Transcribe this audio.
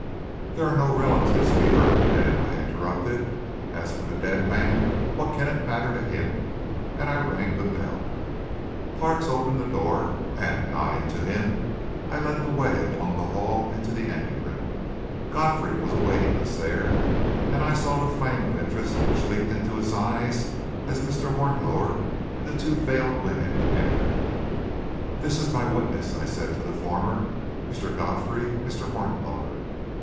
"There are no relatives to be hurt, madame," I interrupted. "As for the dead man, what can it matter to him?" and I rang the bell. Parks opened the door, and, nodding to him, I led the way along the hall and into the ante room. Godfrey was awaiting us there, and I saw the flame of interest which leaped into his eyes, as Mr. Hornblower and the two veiled women entered. "This is my witness," I said to the former. "Mr. Godfrey Mr. Hornblower."